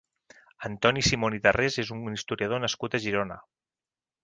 Antoni Simon i Tarrés és un historiador nascut a Girona.